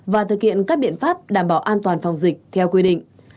và thực hiện các biện pháp đảm bảo an toàn phòng dịch theo quy định